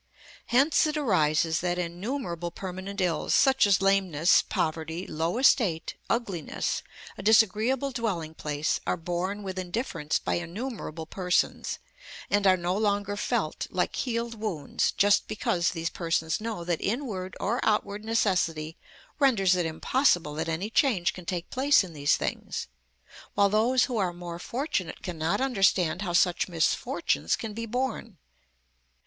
Hence it arises that innumerable permanent ills, such as lameness, poverty, low estate, ugliness, a disagreeable dwelling place, are borne with indifference by innumerable persons, and are no longer felt, like healed wounds, just because these persons know that inward or outward necessity renders it impossible that any change can take place in these things; while those who are more fortunate cannot understand how such misfortunes can be borne.